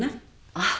あっ。